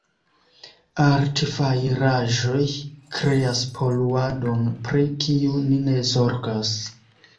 Artfajraĵoj kreas poluadon, pri kiu ni ne zorgas.